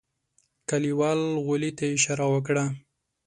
کليوال غولي ته اشاره وکړه.